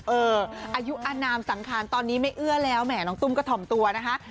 อายุอนามสังขารตอนนี้ไม่เอื้อแล้วแหมน้องตุ้มก็ถ่อมตัวนะคะ